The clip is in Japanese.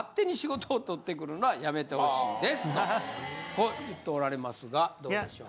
こう言っておられますがどうでしょう？